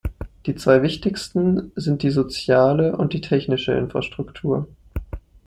Die zwei Wichtigsten sind die soziale und die technische Infrastruktur.